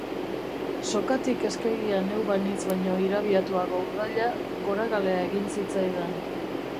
Sokatik eskegia neu banintz baino irabia-tuago urdaila, goragalea egin zitzaidan.